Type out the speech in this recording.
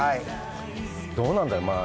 どうなんだろう。